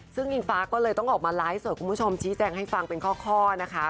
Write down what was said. ซึ่งอิงฟ้าก็เลยต้องออกมาไลฟ์สดคุณผู้ชมชี้แจงให้ฟังเป็นข้อนะคะ